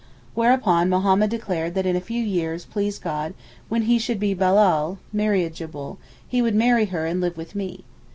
Whereupon Mohammed declared that in a few years, please God, when he should be balal (marriageable) he would marry her and live with me.